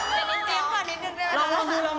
เจนนิตจี้มขอนิดหนึ่งได้ไหมแล้ว